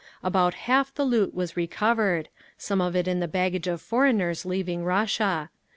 About half the loot was recovered, some of it in the baggage of foreigners leaving Russia.